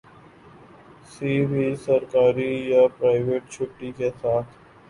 سی بھی سرکاری یا پرائیوٹ چھٹی کے ساتھ